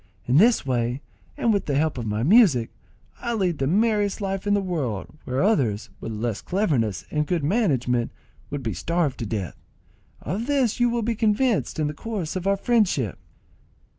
In this way, and with the help of my music, I lead the merriest life in the world, where others, with less cleverness and good management, would be starved to death. Of this you will be convinced in the course of our friendship."